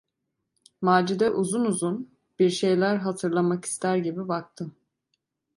Macide uzun uzun, bir şeyler hatırlamak ister gibi baktı.